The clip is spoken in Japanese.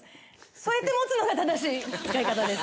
そうやって持つのが正しい使い方です。